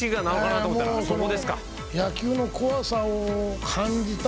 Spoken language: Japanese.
野球の怖さを感じた